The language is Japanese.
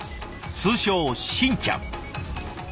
通称しんちゃん。